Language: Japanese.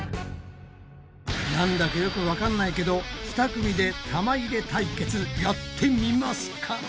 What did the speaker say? なんだかよくわかんないけど２組で玉入れ対決やってみますか？